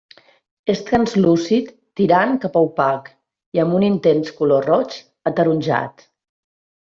És translúcid tirant cap a opac i amb un intens color roig ataronjat.